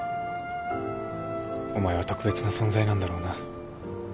お前は特別な存在なんだろうな。